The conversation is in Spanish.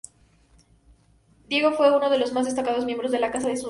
Diego fue uno de los más destacados miembros de la Casa de Zúñiga.